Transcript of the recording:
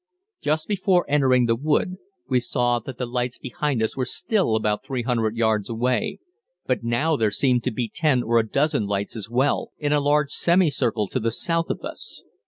Just before entering the wood we saw that the lights behind us were still about 300 yards away, but now there seemed to be ten or a dozen lights as well, in a large semicircle to the south of us.